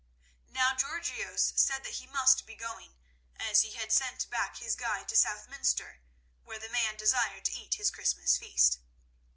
Now Georgios said that he must be going, as he had sent back his guide to Southminster, where the man desired to eat his Christmas feast.